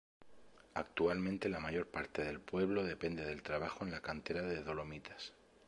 Actualmente la mayor parte del pueblo depende del trabajo en la cantera de Dolomitas.